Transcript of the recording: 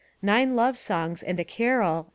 Nine Love Songs, And A Carol, 1896.